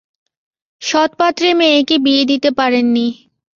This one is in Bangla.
সৎপাত্রে মেয়েকে বিয়ে দিতে পারেন নি।